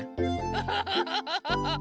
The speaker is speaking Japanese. フフフフフフフ。